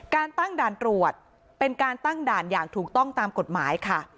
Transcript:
การตั้งด่านตรวจเป็นการตั้งด่านอย่างถูกต้องตามกฎหมายค่ะ